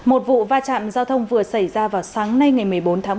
một vụ va chạm giao thông vừa xảy ra vào sáng nay ngày một mươi bốn tháng một